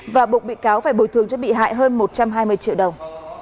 và buộc bị cáo phải bồi thường cho bị hại hơn một trăm hai mươi triệu đồng